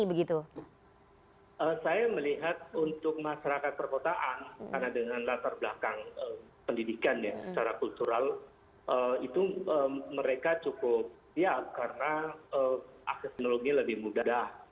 saya melihat untuk masyarakat perkotaan karena dengan latar belakang pendidikan ya secara kultural itu mereka cukup siap karena akses teknologi lebih mudah